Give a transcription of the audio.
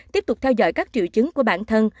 tiếp tục theo dõi các triệu chứng của bản thân